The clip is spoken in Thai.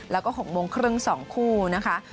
แล้วก็๖โมงครึ่ง๒คู่นะคะ